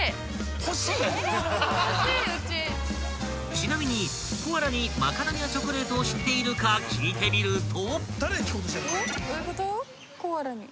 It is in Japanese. ［ちなみにコアラにマカダミアチョコレートを知っているか聞いてみると］